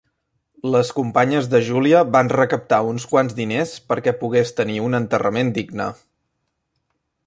Les companyes de Júlia van recaptar uns quants diners perquè pogués tenir un enterrament digne.